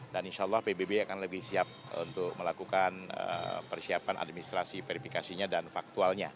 dan insya allah pbb akan lebih siap untuk melakukan persiapan administrasi verifikasinya dan faktualnya